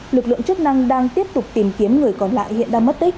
lực lượng chức năng đang tiếp tục tìm kiếm người còn lại hiện đang mất tích